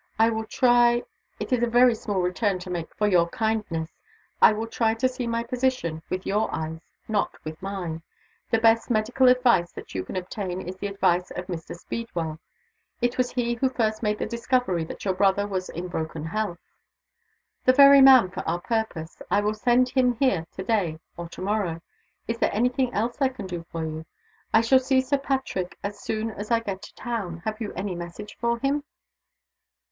I will try it is a very small return to make for your kindness I will try to see my position with your eyes, not with mine. The best medical advice that you can obtain is the advice of Mr. Speedwell. It was he who first made the discovery that your brother was in broken health." "The very man for our purpose! I will send him here to day or to morrow. Is there any thing else I can do for you? I shall see Sir Patrick as soon as I get to town. Have you any message for him?"